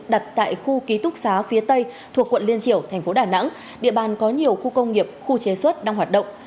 đặt tại khu ký túc xá phía tây thuộc quận liên triểu thành phố đà nẵng địa bàn có nhiều khu công nghiệp khu chế xuất đang hoạt động